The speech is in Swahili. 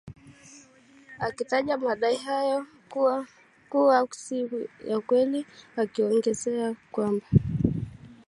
ikitaja madai hayo kuwa si ya kweli ikiongezea kwamba